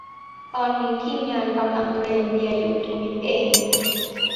ตอนนี้ทีมงานกำลังเตรียมเบียร์อยู่ ทวีตเอง